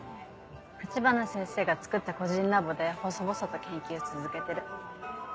立花先生がつくった個人ラボでほそぼそと研究続けてる。